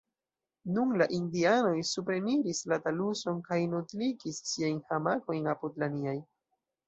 Nun la indianoj supreniris la taluson kaj nodligis siajn hamakojn apud la niaj.